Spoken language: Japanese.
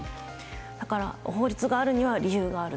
だから法律があるには理由がある。